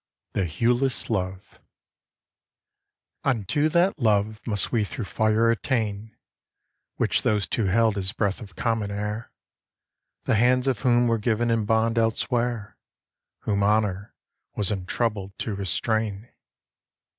THE HUELESS LOVE UNTO that love must we through fire attain, Which those two held as breath of common air; The hands of whom were given in bond elsewhere; Whom Honour was untroubled to restrain.